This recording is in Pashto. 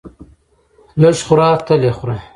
لږ خوره تل خوره!